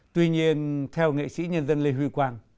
tuy nhiên theo nghệ sĩ nhân dân lê huy quang